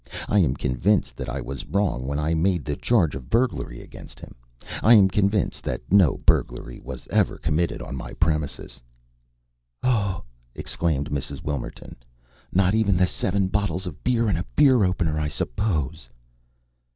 I am convinced that I was wrong when I made the charge of burglary against him. I am convinced that no burglary was ever committed on my premises " "Oh!" exclaimed Mrs. Wilmerton. "Not even seven bottles of beer and a beer opener, I suppose!"